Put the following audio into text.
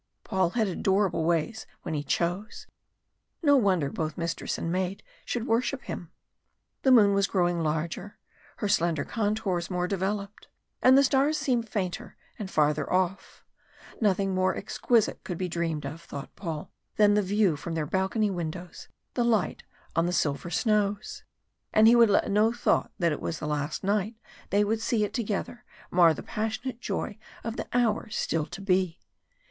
Paul had adorable ways when he chose. No wonder both mistress and maid should worship him. The moon was growing larger, her slender contours more developed, and the stars seemed fainter and farther off. Nothing more exquisite could be dreamed of, thought Paul, than the view from their balcony windows, the light on the silver snows. And he would let no thought that it was the last night they would see it together mar the passionate joy of the hours still to be.